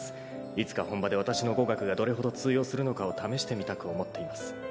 「いつか本場でわたしの語学がどれほど通用するのかを試してみたく思っています」